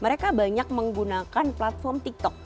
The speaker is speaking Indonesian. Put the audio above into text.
mereka banyak menggunakan platform tiktok